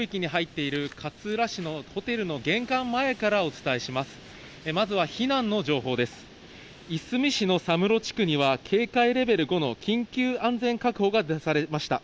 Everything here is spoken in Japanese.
いすみ市の佐室地区には、警戒レベル５の緊急安全確保が出されました。